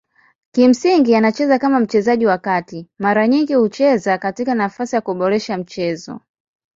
Kimsingi anacheza kama mchezaji wa kati mara nyingi kucheza katika nafasi kuboresha mchezo.